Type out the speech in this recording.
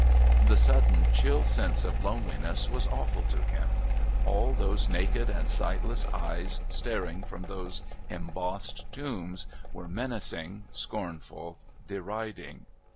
The sudden chill sense of loneliness was awful to him. All those naked and sightless eyes staring from those embossed tombs were menacing, scornful, deriding.